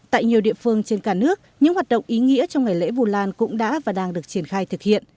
tại nhiều địa phương trên cả nước những hoạt động ý nghĩa trong ngày lễ vu lan cũng đã và đang được triển khai thực hiện